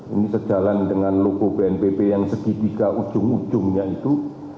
ini sejalan dengan logo bnpb yang segitiga ujung ujungnya itu